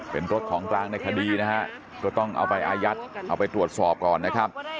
เป็นรถของกลางในคดีนะฮะก็ต้องเอาไปอายัดเอาไปตรวจสอบก่อนนะครับ